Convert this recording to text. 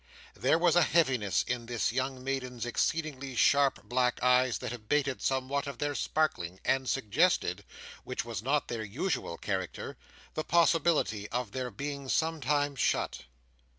There was a heaviness in this young maiden's exceedingly sharp black eyes, that abated somewhat of their sparkling, and suggested—which was not their usual character—the possibility of their being sometimes shut.